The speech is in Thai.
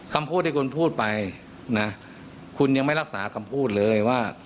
คำพูดที่คุณพูดไปนะคุณยังไม่รักษาคำพูดเลยว่า